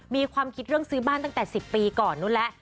มีความคิดเรื่องซื้อบ้านตั้งแต่๑๐ปีก่อนนู้นแล้ว